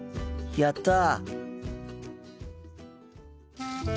やった！